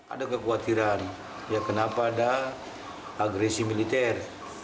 ada kekhawatiran ya kenapa ada agresi militer